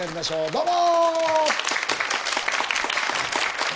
どうも！